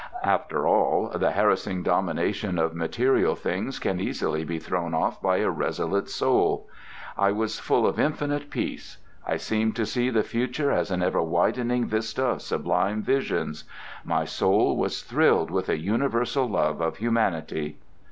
After all, the harassing domination of material things can easily be thrown off by a resolute soul. I was full of infinite peace. I seemed to see the future as an ever widening vista of sublime visions. My soul was thrilled with a universal love of humanity.